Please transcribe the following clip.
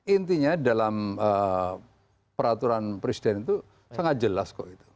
intinya dalam peraturan presiden itu sangat jelas kok itu